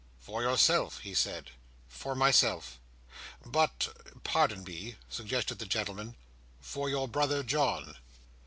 "For yourself," he said. "For myself." "But—pardon me—" suggested the gentleman. "For your brother John?"